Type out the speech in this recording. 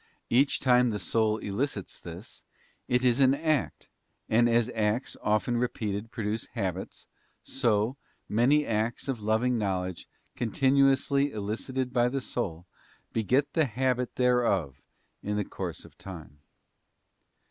Each time the soul elicits this, it is an act, and as acts often repeated produce habits, so, many acts of loving knowledge con tinuously elicited by the soul, beget the habit thereof in the course of time.